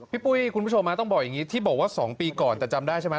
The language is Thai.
ปุ้ยคุณผู้ชมต้องบอกอย่างนี้ที่บอกว่า๒ปีก่อนแต่จำได้ใช่ไหม